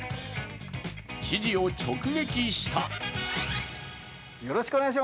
知事を直撃した。